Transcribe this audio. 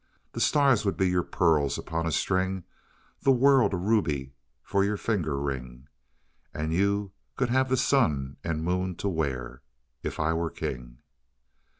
The stars would be your pearls upon a string; The world a ruby for your finger ring; And you could have the sun and moon to wear If I were king."